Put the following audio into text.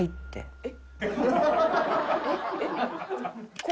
えっ！？